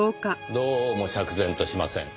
どうも釈然としません。